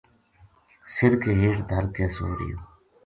سِر کے ہیٹھ دھر کے سو رہیو